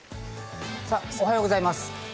おはようございます。